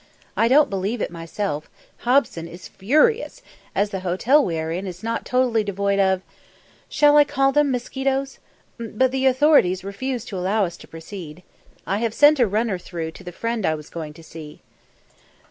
I don't believe it myself Hobson is furious, as the hotel we are in is not totally devoid of shall I call them mosquitoes? but the authorities refuse to allow us to proceed. I have sent a runner through to the friend I was going to see."